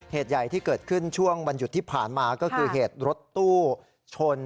เหตุใหญ่ที่เกิดขึ้นช่วงวันหยุดที่ผ่านมาก็คือเหตุรถตู้ชน